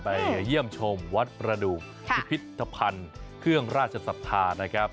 เยี่ยมชมวัดประดูกพิพิธภัณฑ์เครื่องราชศรัทธานะครับ